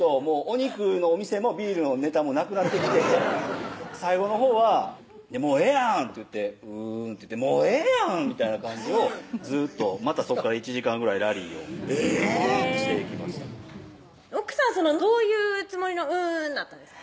もうお肉のお店もビールのネタもなくなってきて最後のほうは「もうええやん！」って言って「うん」って言って「もうええやん！」みたいな感じをずっとまたそこから１時間ぐらいラリーをえぇ！していきました奥さんどういうつもりの「うん」だったんですか？